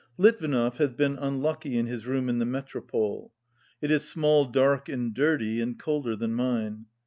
LiTviNOv has been unlucky in his room in the Metropole. It is small, dark and dirty, and colder than mine.